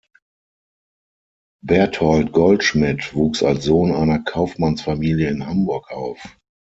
Berthold Goldschmidt wuchs als Sohn einer Kaufmannsfamilie in Hamburg auf.